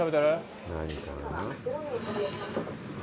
何食べてる？